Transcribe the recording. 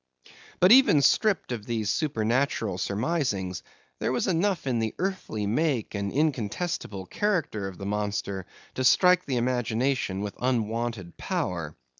But even stripped of these supernatural surmisings, there was enough in the earthly make and incontestable character of the monster to strike the imagination with unwonted power.